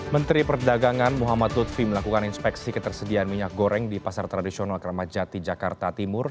menteri perdagangan muhammad lutfi melakukan inspeksi ketersediaan minyak goreng di pasar tradisional kramat jati jakarta timur